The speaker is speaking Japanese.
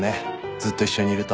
ずっと一緒にいると。